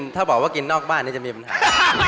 ถ้าบอกว่ากินนอกบ้านนี้จะมีปัญหา